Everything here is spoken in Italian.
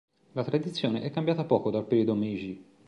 La tradizione è cambiata poco dal periodo Meiji.